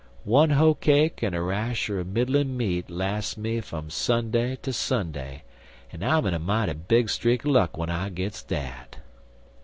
One hoe cake an' a rasher er middlin' meat las's me fum Sunday ter Sunday, an' I'm in a mighty big streak er luck w'en I gits dat."